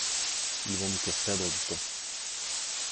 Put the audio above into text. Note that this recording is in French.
Ils vont nous faire perdre du temps.